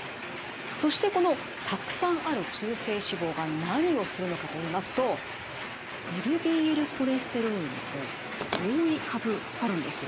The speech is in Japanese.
そしてこのたくさんある中性脂肪が何をするのかといいますとＬＤＬコレステロールに覆いかぶさるんです。